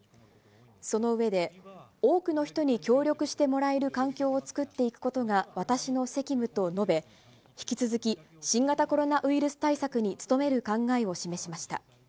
その上で、多くの人に協力してもらえる環境を作っていくことが私の責務と述べ、引き続き、新型コロナウイルス対策に努める考えを示しました。